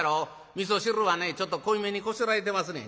みそ汁はねちょっと濃いめにこしらえてますねん。